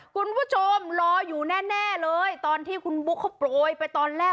คุณผู้ชมรออยู่แน่แน่เลยตอนที่คุณบุ๊คเขาโปรยไปตอนแรก